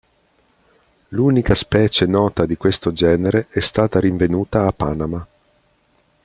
L'unica specie nota di questo genere è stata rinvenuta a Panama.